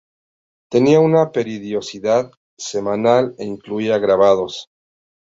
Tenía una periodicidad semanal e incluía grabados.